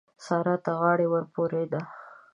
سارا ته غاړه ورپورې ده.